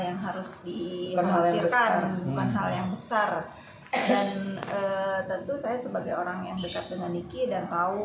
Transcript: yang harus dihapuskan hal yang besar dan tentu saya sebagai orang yang dekat dengan dikidan tahu